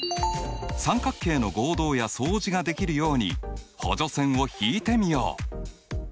三角形の合同や相似ができるように補助線を引いてみよう。